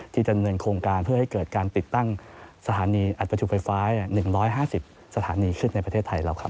ดำเนินโครงการเพื่อให้เกิดการติดตั้งสถานีอัดประจุไฟฟ้า๑๕๐สถานีขึ้นในประเทศไทยเราครับ